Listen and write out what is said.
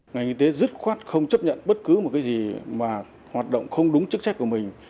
ngành y tế dứt khoát không chấp nhận bất cứ một cái gì mà hoạt động không đúng chức trách của mình